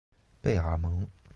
贝尔蒙。